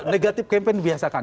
negatif campaign dibiasakan